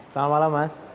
selamat malam mas